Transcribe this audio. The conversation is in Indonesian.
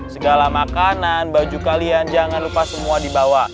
segala makanan baju kalian jangan lupa semua dibawa